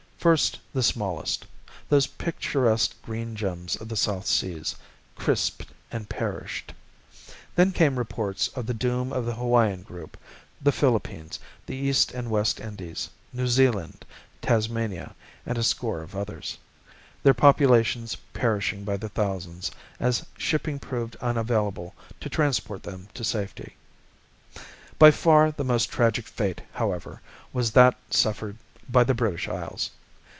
First the smallest, those picturesque green gems of the South Seas, crisped and perished. Then came reports of the doom of the Hawaiian group, the Philippines, the East and West Indies, New Zealand, Tasmania and a score of others, their populations perishing by the thousands, as shipping proved unavailable to transport them to safety. By far the most tragic fate, however, was that suffered by the British Isles.